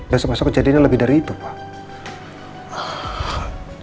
besok besok kejadiannya lebih dari itu pak